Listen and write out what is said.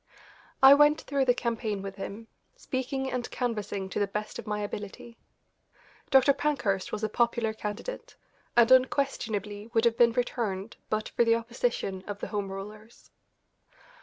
I went through the campaign with him, speaking and canvassing to the best of my ability. Dr. Pankhurst was a popular candidate, and unquestionably would have been returned but for the opposition of the Home Rulers.